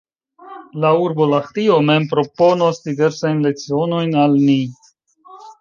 La urbo Lahtio mem proponos diversajn lecionojn al ni.